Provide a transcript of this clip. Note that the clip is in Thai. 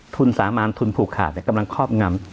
ทุนสามานทุนผูกขาดเนี่ยกำลังครอบงำ